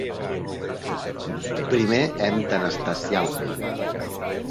Primer hem d'anestesiar la pell.